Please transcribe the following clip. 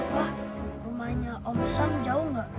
wah rumahnya om san jauh nggak